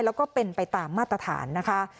แล้วก็เป็นไปตามมาตรฐานนะคะ